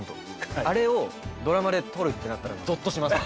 あれをドラマで撮るってなったらぞっとします。